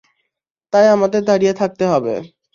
তাই আমাদের দাঁড়িয়ে থাকতে হবে।